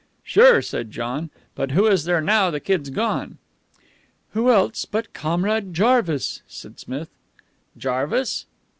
"Sure," said John. "But who is there now the Kid's gone?" "Who else but Comrade Jarvis?" said Smith. "Jarvis?